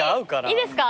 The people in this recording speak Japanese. いいですか？